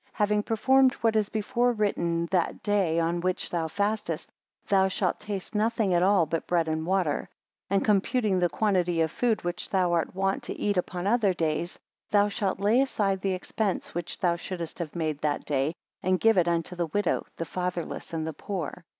Having performed what is before written, that day on which thou fastest thou shalt taste nothing at all but bread and water; and computing the quantity of food which thou art want to eat upon other days, thou shalt lay aside the expense which thou shouldest have made that day, and give it unto the widow, the fatherless, and the poor.